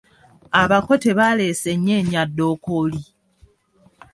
Abako tebaleese nnyeenyaddookooli.